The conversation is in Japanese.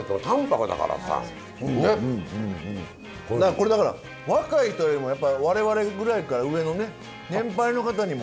これだから若い人よりもやっぱ我々ぐらいから上のね年配の方にも。